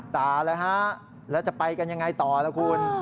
ตายแล้วฮะแล้วจะไปกันยังไงต่อล่ะคุณ